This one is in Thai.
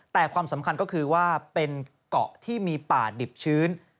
แต่ความสำคัญก็คือว่าเป็นเกาะที่มีป่าดิบชื้น